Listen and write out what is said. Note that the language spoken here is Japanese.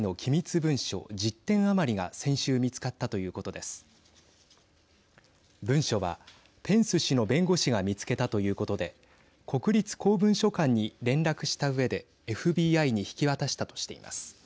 文書はペンス氏の弁護士が見つけたということで国立公文書館に連絡したうえでＦＢＩに引き渡したとしています。